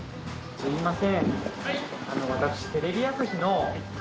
すみません。